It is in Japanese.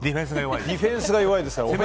ディフェンス弱いですから。